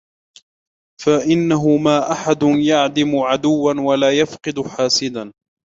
فَإِنَّهُ مَا أَحَدٌ يَعْدَمُ عَدُوًّا وَلَا يَفْقِدُ حَاسِدًا